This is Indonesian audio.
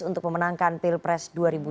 untuk memenangkan pilpres dua ribu dua puluh